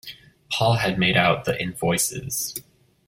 Paul had made out the invoices.